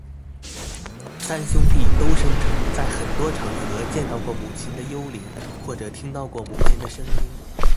三兄弟都声称在很多场合见到过母亲的幽灵或者听到过母亲的声音。